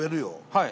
はい。